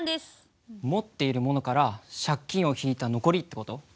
持っているものから借金を引いた残りって事？